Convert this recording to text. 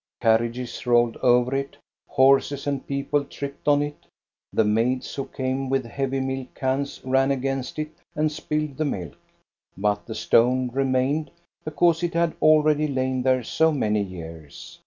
Carriages rolled over it, horses and people tripped on it, the maids who came with heavy milk cans ran against it and spilled the milk ; but the stone remained, because it had already lain there so many years.